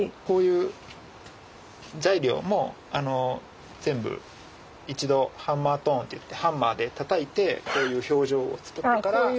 こういう材料も全部一度ハンマートーンっていってハンマーでたたいてこういう表情を作ってから。